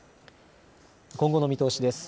今後の見通しです。